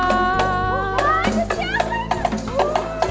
wah ada siapa ini